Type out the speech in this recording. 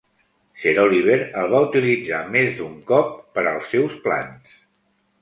Sir Oliver el va utilitzar més d'un cop per als seus plans.